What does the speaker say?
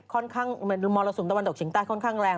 ค่อนข้างมรสุมตะวันตกเฉียงใต้ค่อนข้างแรง